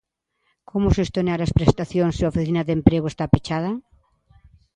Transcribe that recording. Como xestionar as prestacións se a oficina de emprego está pechada?